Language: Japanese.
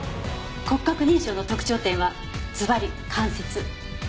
骨格認証の特徴点はずばり関節。